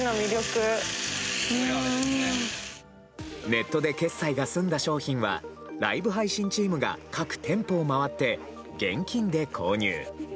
ネットで決済が済んだ商品はライブ配信チームが各店舗を回って現金で購入。